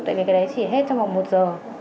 tại vì cái đấy chỉ hết trong vòng một giờ